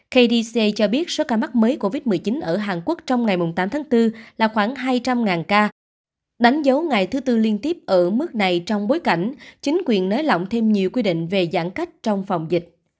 kdc cho biết số ca mắc mới covid một mươi chín ở hàn quốc trong ngày tám tháng bốn là khoảng hai trăm linh ca đánh dấu ngày thứ tư liên tiếp ở mức này trong bối cảnh chính quyền nới lỏng thêm nhiều quy định về giãn cách trong phòng dịch